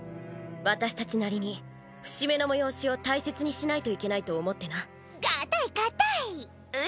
私たちなりに節目の催しを大切にしないといけないと思ってな硬い硬い！